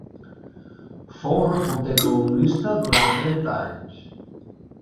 Fou reporter i columnista durant trenta anys.